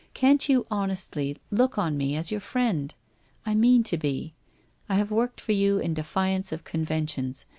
Can't you honestly look on me as your friend ? I mean to be. I have worked for you in defiance of conventions.